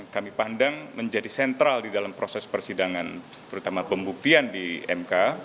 kami pandang menjadi sentral di dalam proses persidangan terutama pembuktian di mk